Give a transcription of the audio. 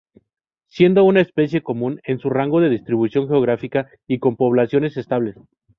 Siendo una especie común en su rango de distribución geográfica, y con poblaciones estables.